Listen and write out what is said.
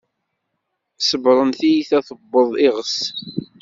Ṣebren, tiyita tewweḍ iγes